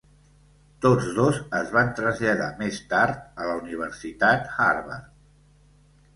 Tots dos es van traslladar més tard a la Universitat Harvard.